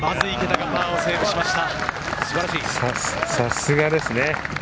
さすがですね。